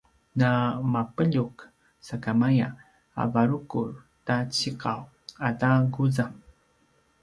na mapeljuq sakamaya a varukur ta ciqaw ata quzang